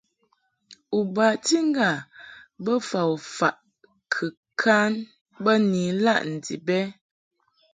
U bati ŋgâ bofa u faʼ kɨ kan bə ni ilaʼ ndib ɛ ?